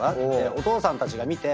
お父さんたちが見て。